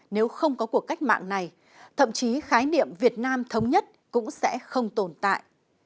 nếu không có cuộc cách mạng này thậm chí khái niệm việt nam thống nhất cũng sẽ không tồn tại